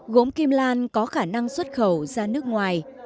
gốm kim lan có khả năng xuất khẩu ra nước ngoài